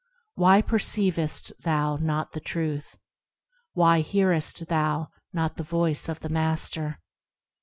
Why perceivest thou not the Truth? Why hearest thou not the Voice of the Master?